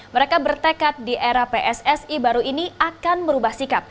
mereka bertekad di era pssi baru ini akan merubah sikap